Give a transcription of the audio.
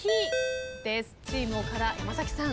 チーム岡田山崎さん。